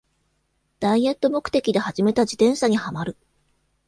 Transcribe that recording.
ダイエット目的で始めた自転車にハマる